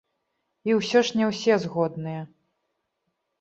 І ўсё ж не ўсе згодныя!